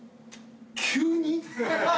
急に？